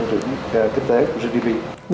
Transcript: nền kinh tế của gdp